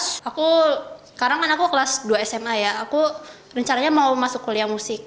sekarang kan aku kelas dua sma ya aku rencananya mau masuk kuliah musik